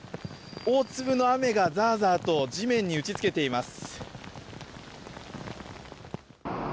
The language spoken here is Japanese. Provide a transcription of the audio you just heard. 大粒の雨がザーザーと地面に打ち付けています。